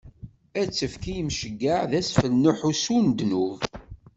Ad t-ifk i yimceyyeɛ d asfel n uḥussu n ddnub.